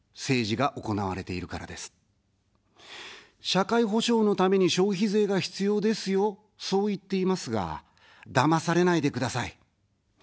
社会保障のために消費税が必要ですよ、そう言っていますが、だまされないでください。